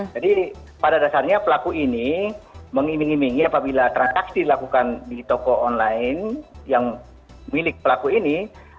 jadi pada dasarnya pelaku ini mengiming iming apabila transaksi dilakukan di toko online yang milik pelaku ini